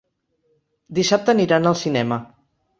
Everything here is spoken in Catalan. Dissabte aniran al cinema.